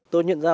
tôi nhận ra